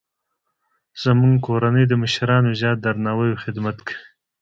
زموږ کورنۍ د مشرانو زیات درناوی او خدمت کوي